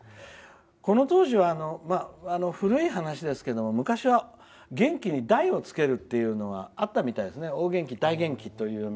この当時は古い話ですけれども昔は元気に大をつけるというのがあったみたいですね。